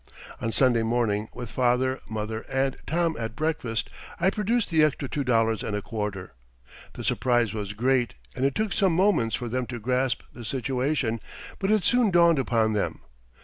On Sunday morning with father, mother, and Tom at breakfast, I produced the extra two dollars and a quarter. The surprise was great and it took some moments for them to grasp the situation, but it soon dawned upon them.